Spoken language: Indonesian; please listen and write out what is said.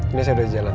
ini saya udah jalan